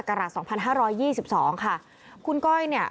ค่ะคุณก้อยเนี่ย